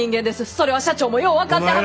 それは社長もよう分かってはる。